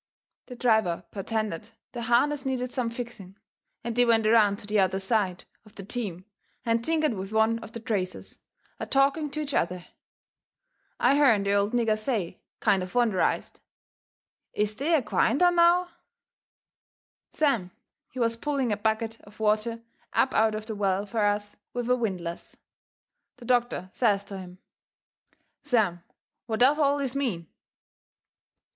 The driver pertended the harness needed some fixing, and they went around to the other side of the team and tinkered with one of the traces, a talking to each other. I hearn the old nigger say, kind of wonderized: "Is dey a gwine dar NOW?" Sam, he was pulling a bucket of water up out of the well fur us with a windlass. The doctor says to him: "Sam, what does all this mean?"